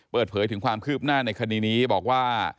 เปิดเผยถึงความคืบหน้าในคดีนี้บอกว่า